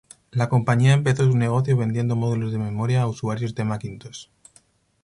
La compañía empezó su negocio vendiendo módulos de memoria a usuarios de Macintosh.